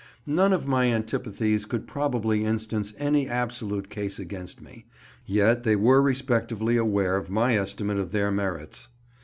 None of my antipathies could probably instance any absolute case against me, yet they were respectively aware of my estimate of their merits.